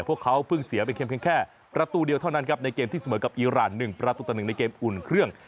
พวกเขาเพิ่งเสียไปเพียงแค่ประตูเดียวเท่านั้นครับในเกมที่เสมอกับอีราน๑ประตูต่อ๑ในเกมอุ่นเครื่อง